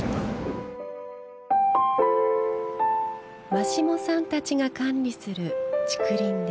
真下さんたちが管理する竹林です。